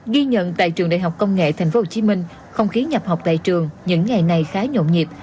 ghi nhận tại trường đại học công nghệ tp hcm không khí nhập học tại trường những ngày này khá nhộn nhịp